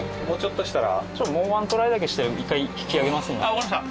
わかりました。